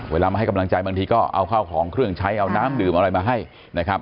เวลามาให้กำลังใจบางทีก็เอาข้าวของเครื่องใช้เอาน้ำดื่มอะไรมาให้นะครับ